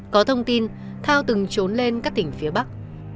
có thông tin thao từng trốn lên các tỉnh phía bắc